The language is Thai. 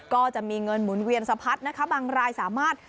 ก็จะมีเงินหมุนเวียนสะพัดนะคะบางรายสามารถ